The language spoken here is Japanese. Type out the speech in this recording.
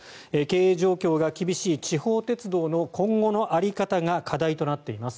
経営状況が厳しい地方鉄道の今後の在り方が課題となっています。